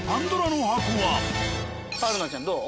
春菜ちゃんどう？